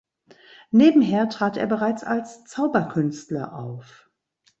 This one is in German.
Nebenher trat er bereits als Zauberkünstler auf.